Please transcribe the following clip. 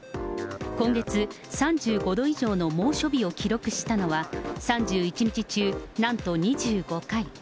今月、３５度以上の猛暑日を記録したのは、３１日中、なんと２５回。